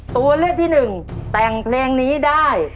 ตัวเลือกที่หนึ่งแต่งเพลงนี้ได้